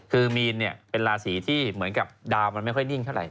คือมีนเป็นราศีที่เหมือนกับดาวมันไม่ค่อยนิ่งเท่าไห